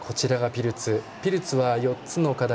ピルツは４つの課題